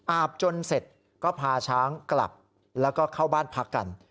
อาบจนเสร็จก็พาช้างกลับแล้วก็เข้าบ้านพักกัน